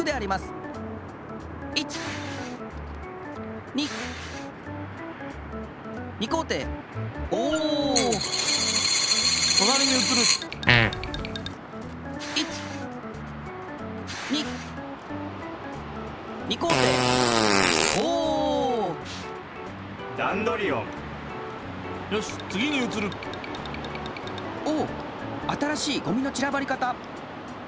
新しいゴミのちらばり方！